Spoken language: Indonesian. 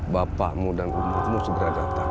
bapakmu dan umurkumu segera datang